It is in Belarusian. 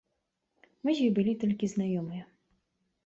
Мы з ёй былі толькі знаёмыя.